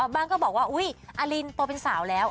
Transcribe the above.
ก็บอกว่าอุ๊ยอลินโตเป็นสาวแล้ว